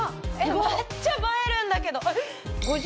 めっちゃ映えるんだけど！